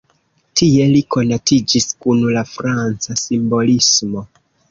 Tie li konatiĝis kun la franca simbolismo.